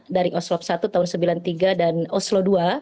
dari oslop satu tahun seribu sembilan ratus sembilan puluh tiga dan oslo dua